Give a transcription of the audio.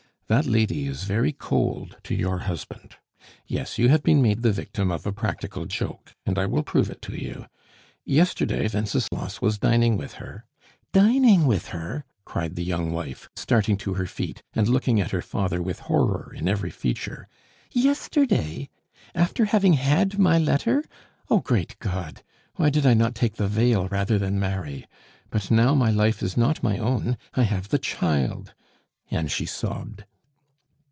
"That lady is very cold to your husband. Yes, you have been made the victim of a practical joke, and I will prove it to you. Yesterday Wenceslas was dining with her " "Dining with her!" cried the young wife, starting to her feet, and looking at her father with horror in every feature. "Yesterday! After having had my letter! Oh, great God! Why did I not take the veil rather than marry? But now my life is not my own! I have the child!" and she sobbed.